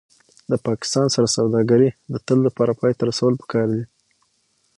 د پاکستان سره سوداګري د تل لپاره پای ته رسول پکار دي